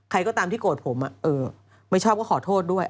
ก็ตามที่โกรธผมไม่ชอบก็ขอโทษด้วย